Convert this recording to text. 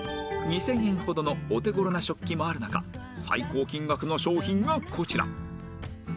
２０００円ほどのお手頃な食器もある中最高金額の商品がこちら！